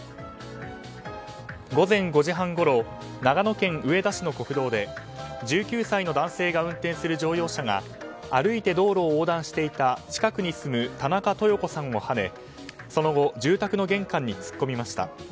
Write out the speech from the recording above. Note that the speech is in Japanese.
午前５時半ごろ長野県上田市の国道で１９歳の男性が運転する乗用車が歩いて道路を横断していた近くに住む田中十四子さんをはねその後、住宅の玄関に突っ込みました。